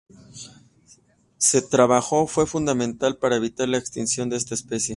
Se trabajo fue fundamental para evitar la extinción de esta especie.